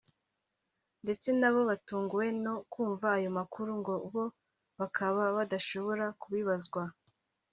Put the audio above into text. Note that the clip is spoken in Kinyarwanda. ndetse nabo batunguwe no kumva ayo makuru ngo bo bakaba badashobora kubibazwa